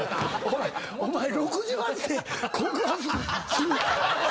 お前６８で告白する。